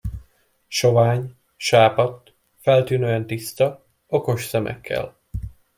Sovány, sápadt, feltűnően tiszta, okos szemekkel.